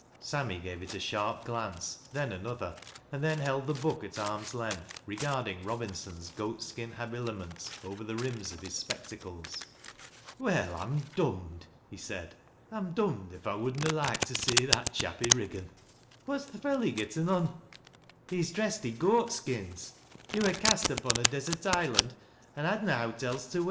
Sammy gave it a sharp glance, then another, and then held the book at arm's length, regarding Robinson's goat skin habiliments over the rims of his spectacles. " Well, I'm dom'd," he exclaimed. " I'm dom'd, if I would na loike to see that chap i' Riggan 1 What's th' felly getten on ?"" He's dressed i' goat skins. He wur cast upon a desert island, an' had na' owt else to wear."